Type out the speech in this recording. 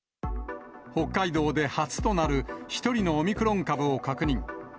北海道で初となる１人のオミクロン株を確認。